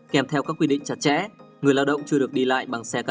kèm theo các quy định chặt chẽ người lao động chưa được đi lại bằng xe cá